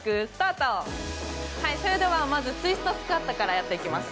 それではまずツイストスクワットからやっていきます。